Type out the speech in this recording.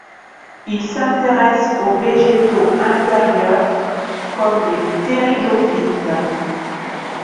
Il s’intéresse aux végétaux inférieurs comme les ptéridophytes.